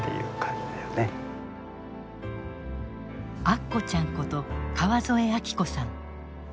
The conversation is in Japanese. アッコちゃんこと川添明子さん。